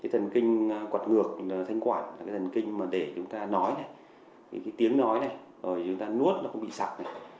thần kinh quạt ngược thanh quản là thần kinh để chúng ta nói tiếng nói nuốt nó cũng bị sạc